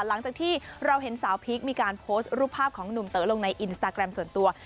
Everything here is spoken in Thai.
หลังจากที่เราเห็นสาวพีคมีการโพสต์รูปภาพของหนุ่มเต๋อลงในอินสตาแกรมส่วนตัว